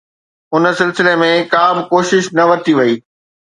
ان سلسلي ۾ ڪا به ڪوشش نه ورتي وئي.